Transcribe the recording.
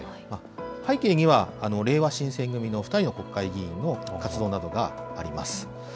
背景には、れいわ新選組の２人の国会議員の活動などがあります。